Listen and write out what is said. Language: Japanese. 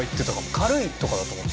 軽いとかだと思った。